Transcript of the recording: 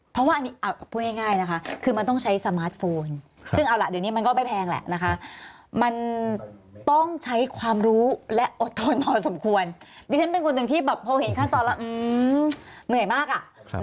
เพราะว่าอันนี้พูดง่ายนะคะคือมันต้องใช้สมาร์ทโฟนซึ่งเอาล่ะเดี๋ยวนี้มันก็ไม่แพงแหละนะคะ